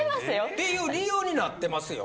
っていう理由になってますよ。